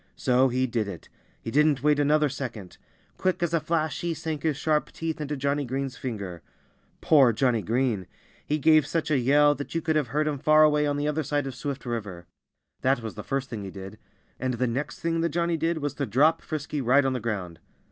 So he did it. He didn't wait another second. Quick as a flash he sank his sharp teeth into Johnnie Green's finger. Poor Johnnie Green! He gave such a yell that you could have heard him far away on the other side of Swift River. That was the first thing he did. And the next thing that Johnnie did was to drop Frisky right on the ground.